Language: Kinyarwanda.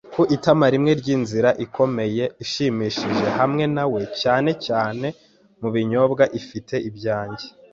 ku itama rimwe n'inzira ikomeye ishimishije hamwe na we, cyane cyane mu binyobwa, ifite ibyanjye